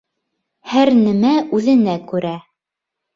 Һәр нәмә үҙенә күрә.